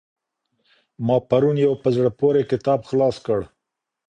ما پرون يو په زړه پوري کتاب خلاص کړ.